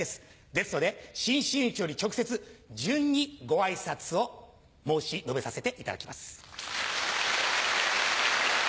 ですので新真打より直接順にご挨拶を申し述べさせていただきます。